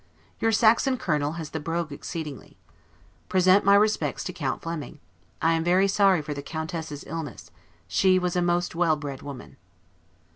Your Saxon colonel has the brogue exceedingly. Present my respects to Count Flemming; I am very sorry for the Countess's illness; she was a most well bred woman.